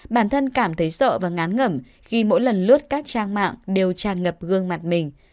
bản thân cảm thấy sợ và ngán ngẩm khi mỗi lần lướt các trang mạng đều tràn ngập gương mặt mình